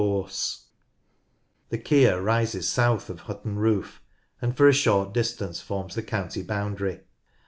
RIVERS 53 The Keer rises south of Hutton Roof and for a short distance forms the county boundary.